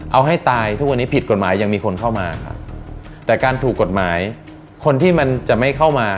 เอาให้ตายทุกวันนี้ผิดกฎหมายยังมีคนเข้ามาครับแต่การถูกกฎหมายคนที่มันจะไม่เข้ามา